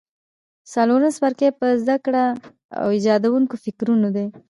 څلورم څپرکی په زده کړه او ایجادوونکو فکرونو دی.